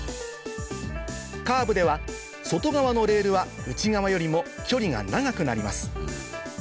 カーブでは外側のレールは内側よりも距離が長くなります